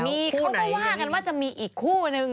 นี่เขาก็ว่ากันว่าจะมีอีกคู่นึง